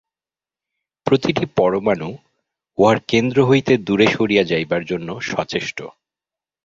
প্রতিটি পরমাণু উহার কেন্দ্র হইতে দূরে সরিয়া যাইবার জন্য সচেষ্ট।